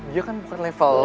dia kan bukan level